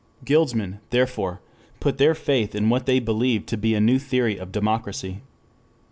Guildsmen, therefore, put their faith in what they believe to be a new theory of democracy.